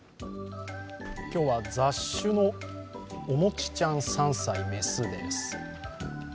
今日は雑種のおもちちゃん３歳、雌です。